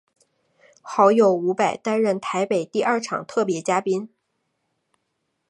好友伍佰担任台北第二场特别嘉宾。